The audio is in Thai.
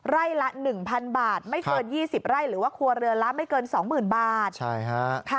ไร่ละ๑๐๐๐บาทไม่เกิน๒๐ไร่หรือว่าครัวเรือนละไม่เกิน๒๐๐๐บาท